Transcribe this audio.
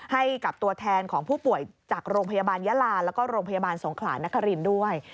ให้กับตัวแทนของผู้ป่วยจากโรงพยาบาลยาลาแล้วก็โรงพยาบาลสงขลานครินทร์ด้วย